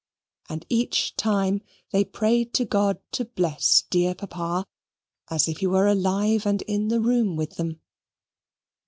And each time they prayed to God to bless dear Papa, as if he were alive and in the room with them.